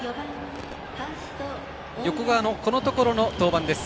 横川の、このところの登板です。